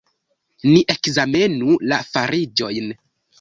Ni ekzamenu la fariĝojn.